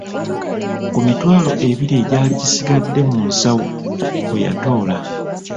Ku mitwalo ebiri egyali gisigadde mu nsawo kwe yatoola.